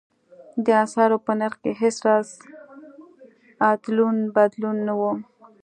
د اسعارو په نرخ کې هېڅ راز ادلون بدلون نه و.